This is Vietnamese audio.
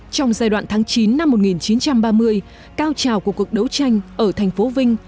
trong giai đoạn tháng chín năm một nghìn chín trăm ba mươi cao trào của cuộc đấu tranh ở thành phố vinh